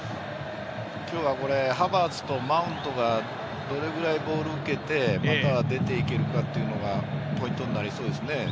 今日はハバーツとマウントがどれくらいボールを受けて、また出ていけるかというのがポイントになりそうですね。